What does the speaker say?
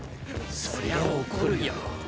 そりゃ怒るよ